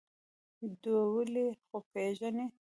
ډولۍ خو پېژنې؟